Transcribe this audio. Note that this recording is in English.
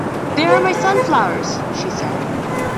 “There are my sunflowers!” she said.